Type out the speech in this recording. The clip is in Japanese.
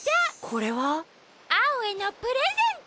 これは？アオへのプレゼント！